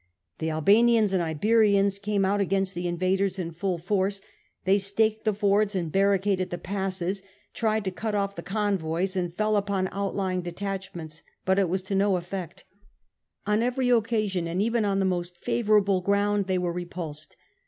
The Albanians and Iberians came out against the invaders in full force ; they staked the fords and barricaded the passes, tried to cut off the convoys, and fell upon outlying detachments. But it was to no effe.ct. On every occasion, and even on the most favourable ground, they were repulsed.